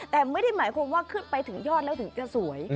แต่ไม่ได้หมายความว่าขึ้นไปถึงยอดแล้วถึงจะสวย